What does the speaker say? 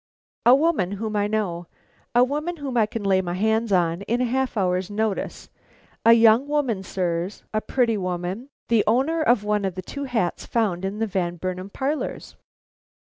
"A woman whom I know; a woman whom I can lay my hands on at a half hour's notice; a young woman, sirs; a pretty woman, the owner of one of the two hats found in the Van Burnam parlors."